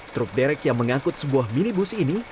truk derek yang mengangkut sebuah minibus ini